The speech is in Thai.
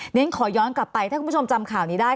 ฉันขอย้อนกลับไปถ้าคุณผู้ชมจำข่าวนี้ได้